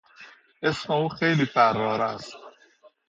اسم او خیلی فرار است.